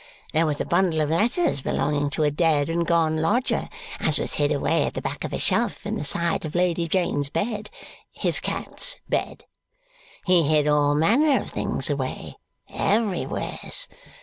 There was a bundle of letters belonging to a dead and gone lodger as was hid away at the back of a shelf in the side of Lady Jane's bed his cat's bed. He hid all manner of things away, everywheres.